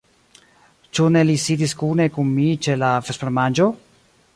Ĉu ne li sidis kune kun mi ĉe la vespermanĝo?